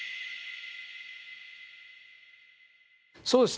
そうですね。